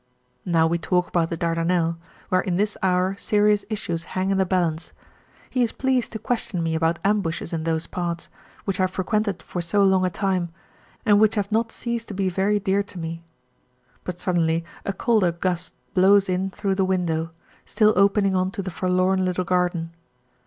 Now we talk about the Dardanelles, where in this hour serious issues hang in the balance; he is pleased to question me about ambushes in those parts, which I frequented for so long a time, and which have not ceased to be very dear to me. But suddenly a colder gust blows in through the window, still opening on to the forlorn little garden.